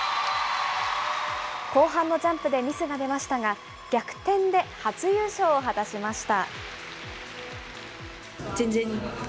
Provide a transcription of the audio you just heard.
後半のジャンプでミスが出ましたが、逆転で初優勝を果たしました。